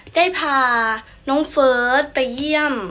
ได้พาน้องเฟิร์สไปเยี่ยม